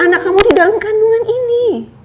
anak kamu di dalam kandungan ini